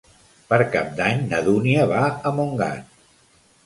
Per Cap d'Any na Dúnia va a Montgat.